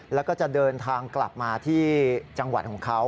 แล้วก็จะเดินทางกลับมาที่จังหวัดของเขา